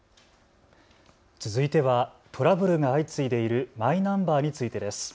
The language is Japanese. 続いてはトラブルが相次いでいるマイナンバーについてです。